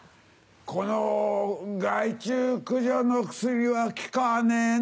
この害虫駆除の薬は効かねえな。